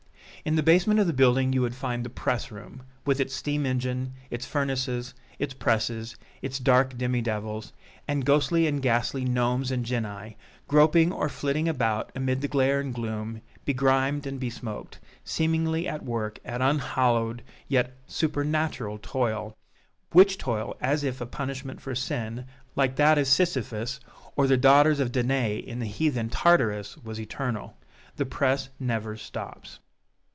In the basement of the building you would find the press room, with its steam engine, its furnaces, its presses, its dark demi devils, and ghostly and ghastly gnomes and genii groping or flitting about amid the glare and gloom, begrimed and besmoked, seemingly at work at unhallowed yet supernatural toil, which toil, as if a punishment for sin, like that of Sisyphus, or the daughters of Danae in the heathen Tartarus, was eternal. The press never stops.